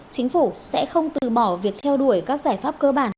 chính phủ sẽ không từ bỏ việc theo đuổi các giải pháp cơ bản